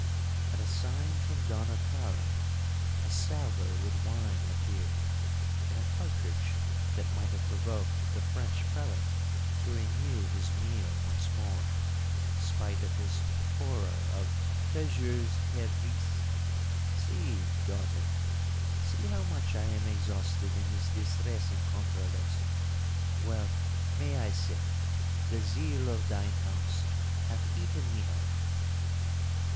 'At a sign from Donna Clara, a salver with wine appeared, and a partridge that might have provoked the French prelate to renew his meal once more, spite of his horror of toujours perdrix. 'See, daughter, see how much I am exhausted in this distressing controversy—well may I say, the zeal of thine house hath eaten me up.'